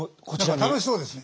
何か楽しそうですね。